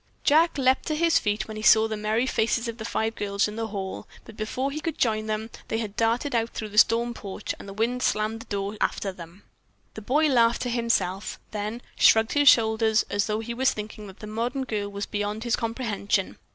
Jack had leaped to his feet when he saw the merry faces of the five girls in the hall, but before he could join them, they had darted out through the storm porch, and the wind slammed the door after them. The boy laughed to himself, then shrugged his shoulders as though he was thinking that the modern girl was beyond his comprehension.